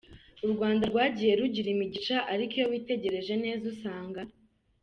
U Rwanda rwagiye rugira imigisha, ariko iyo witegereje neza usanga